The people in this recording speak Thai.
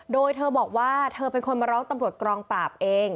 โดยเธอบอกว่าเธอเป็นคนมาร้องตำรวจกองปราบเอง